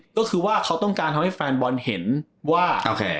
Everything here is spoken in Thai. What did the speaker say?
ก็คือว่าเขาต้องการทำให้แฟนบอลเห็นว่าโอเค